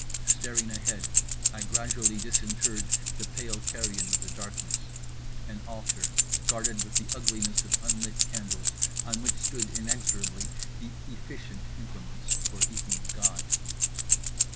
Staring ahead, I gradually disinterred the pale carrion of the darkness—an altar, guarded with the ugliness of unlit candles, on which stood inexorably the efficient implements for eating God.